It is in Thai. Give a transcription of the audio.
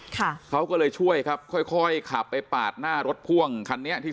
ค่ะเขาก็เลยช่วยครับค่อยค่อยขับไปปาดหน้ารถพ่วงคันนี้ที่